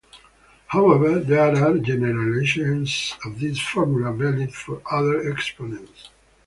However, there are generalizations of this formula valid for other exponents.